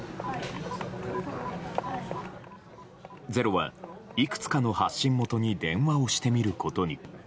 「ｚｅｒｏ」は、いくつかの発信元に電話をしてみることに。